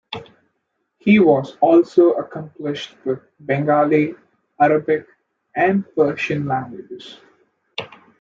He was also accomplished with the Bengali, Arabic, and Persian languages.